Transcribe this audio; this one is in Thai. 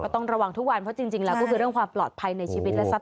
ต้องระวังทุกวันเพราะจริงแล้วก็คือเรื่องความปลอดภัยในชีวิตและทรัพ